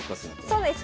そうです。